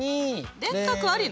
電卓ありなの？